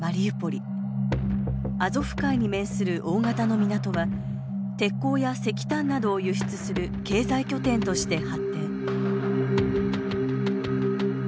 アゾフ海に面する大型の港は鉄鋼や石炭などを輸出する経済拠点として発展。